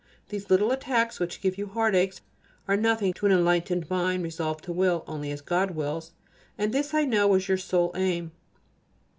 These little attacks which give you heart aches are nothing to an enlightened mind resolved to will only as God wills; and this, I know, is your own sole aim.